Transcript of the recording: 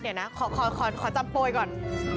เดี๋ยวนะขอจำโปรยก่อน